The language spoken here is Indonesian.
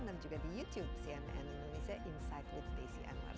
dan juga di youtube cnn indonesia insight with desi anwar